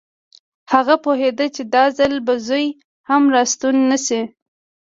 هغه پوهېده چې دا ځل به زوی هم راستون نه شي